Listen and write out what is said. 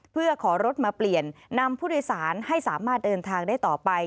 เพื่อขอรถมาเปลี่ยนนำผู้โดยสารให้สามารถเดินทางได้ต่อไป